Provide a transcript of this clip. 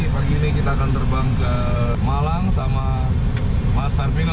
hari ini kita akan terbang ke malang sama mas sarbino